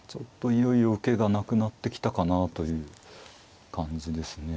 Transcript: いよいよ受けがなくなってきたかなという感じですね。